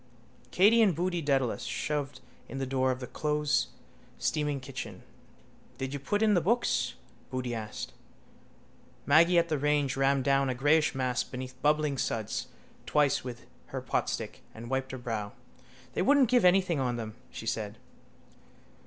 Katey and Boody Dedalus shoved in the door of the closesteaming kitchen. —Did you put in the books? Boody asked. Maggy at the range rammed down a greyish mass beneath bubbling suds twice with her potstick and wiped her brow. —They wouldn't give anything on them, she said.